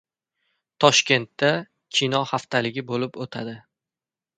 Toshkentda «Kino haftaligi» bo‘lib o‘tadi